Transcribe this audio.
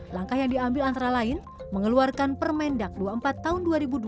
langkah yang diambil antara lain mengeluarkan permendak dua puluh empat tahun dua ribu dua puluh